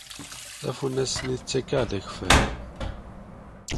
Tafunast-nni tettakf-aɣ-d akeffay.